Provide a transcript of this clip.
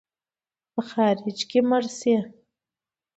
په خارج کې مړ سې.